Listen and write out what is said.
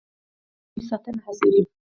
د نجونو تعلیم د شاتو مچیو ساتنه هڅوي.